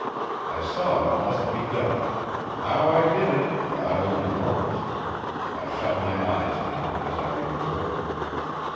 I saw what must be done; how I did it God only knows; I shut my eyes now as I remember it.